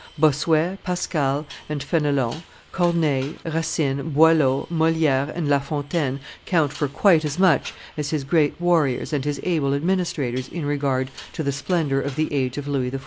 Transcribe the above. Bossuet, Pascal, and Fenelon, Corneille, Racine, Boileau, Moliere, and La Fontaine, count for quite as much as his great warriors and his able administrators in regard to the splendor of the age of Louis XIV.